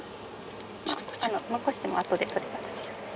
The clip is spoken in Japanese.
残しても後で取れば大丈夫ですよ。